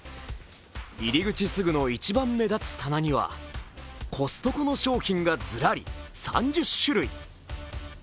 入り口すぐの一番目立つ棚にはコストコの商品がずらり、３０種類。